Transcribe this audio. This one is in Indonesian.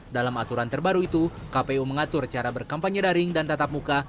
dalam aturan terbaru itu kpu mengatur cara berkampanye daring dan tatap muka